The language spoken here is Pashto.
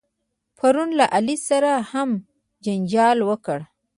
پرون له علي سره هم جنجال وکړ.